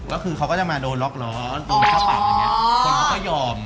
ก็คือเขาก็จะมาโดนล็อกร้อนลูกข้าวปากคนเขาก็ยอม